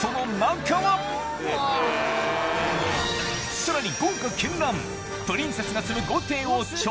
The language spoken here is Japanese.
さらに